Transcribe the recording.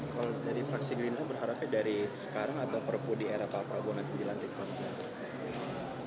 kalau dari faksi gerindu berharapnya dari sekarang atau perubahan di era pak prabowo nanti dilantikkan